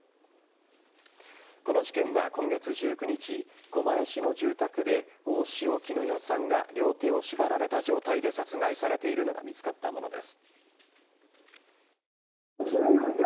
この事件は今月１９日狛江市の住宅で大塩衣与さんが両手を縛られた状態で殺害されているのが見つかったものです。